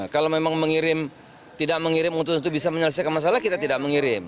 kalau memang mengirim tidak mengirim untuk bisa menyelesaikan masalah kita tidak mengirim